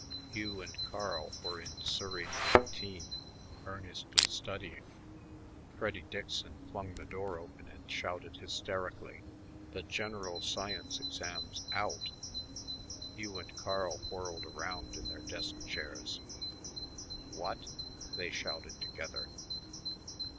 Hugh and Carl were in Surrey 19 earnestly studying. Freddy Dickson flung the door open and shouted hysterically, "The general science exam's out!" Hugh and Carl whirled around in their desk chairs. "What?" They shouted together.